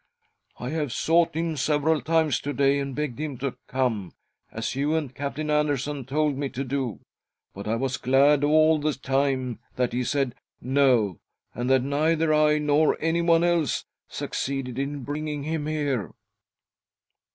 I have sought him several times to day and begged him to come, as you and Captain Andersson told me to do, but I was glad all the time that he said ' No,' and that neither I nor anyone else succeeded in bringing him here."